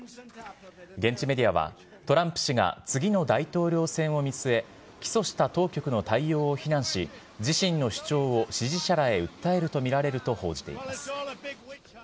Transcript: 現地メディアは、トランプ氏が次の大統領選を見据え、起訴した当局の対応を非難し、自身の主張を支持者らへ訴えると見られると報じています。